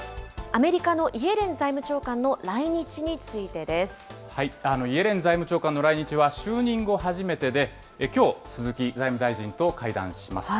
アメリカのイエレン財務長官の来イエレン財務長官の来日は、就任後初めてで、きょう、鈴木財務大臣と会談します。